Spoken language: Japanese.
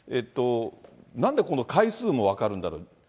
なんでこの回数も分かるんだろう。